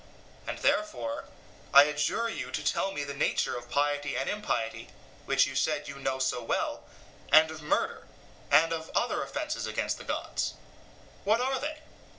And therefore, I adjure you to tell me the nature of piety and impiety, which you said that you knew so well, and of murder, and of other offences against the gods. What are they?